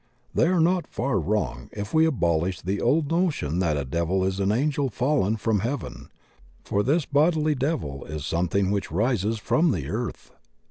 They are not far wrong, if we abolish the old notion that a devil is an angel fallen from heaven, for this bodily devil is something which rises from the earth.